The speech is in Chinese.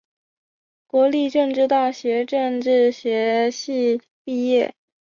国立政治大学政治学系毕业。